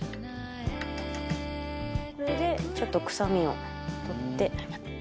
これでちょっと臭みを取って。